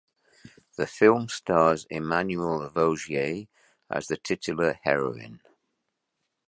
The film stars Emmanuelle Vaugier as the titular heroine.